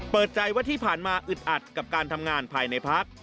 เปิดใจว่าที่ผ่านมาอึดอัดกับการทำงานภายในพัก